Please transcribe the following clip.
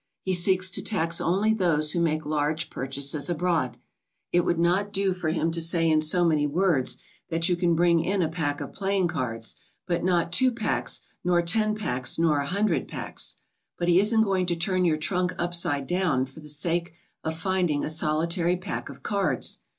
He seeks to tax only those who make large purchases abroad. It would not do for him to say in so many words that you can bring in a pack of playing cards, but not two packs nor ten packs nor a hun dred packs. But he isn't going to turn your trunk upside down for the sake of finding a solitary pack of cards.